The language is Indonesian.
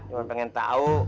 cuman pengen tau